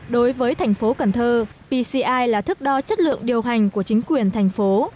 đối với thành phố cần thơ pci là thức đo chất lượng điều hành của chính quyền thành phố